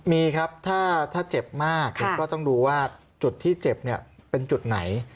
มีครับถ้าเจ็บมากก็ต้องดูว่าจุดที่เจ็บเนี่ยเป็นจุดไหน